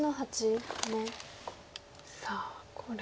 さあこれは？